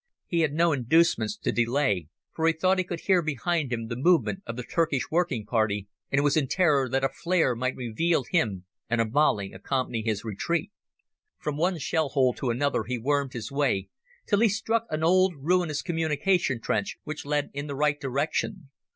He had no inducements to delay, for he thought he could hear behind him the movement of the Turkish working party, and was in terror that a flare might reveal him and a volley accompany his retreat. From one shell hole to another he wormed his way, till he struck an old ruinous communication trench which led in the right direction.